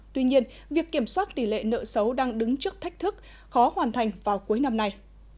tuy nhiên việc kiểm soát tỷ lệ nợ xấu đang đứng trước thách thức khó hoàn thành vào cuối năm nay